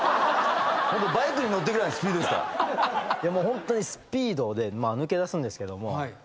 ホントにスピードで抜け出すんですけども。